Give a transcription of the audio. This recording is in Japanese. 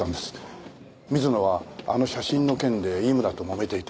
水野はあの写真の件で井村ともめていた。